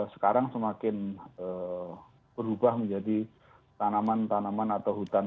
sekarang semakin berubah menjadi tanaman tanaman atau hutan